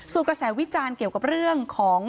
ส่วนกระแสวิจารณ์เกี่ยวกับเรื่องของ